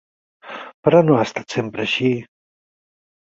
Però no ha estat sempre així.